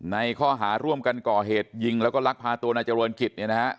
ในข้อหาร่วมกันก่อเหตุยิงแล้วก็ลักพาตัวนายเจริญกิจเนี่ยนะฮะ